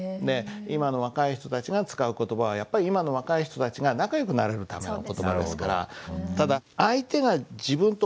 今の若い人たちが使う言葉はやっぱり今の若い人たちが仲良くなれるための言葉ですから。